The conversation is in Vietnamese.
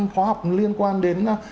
khóa học liên quan đến